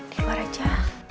di luar aja